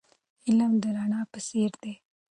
علم د رڼا په څېر دی.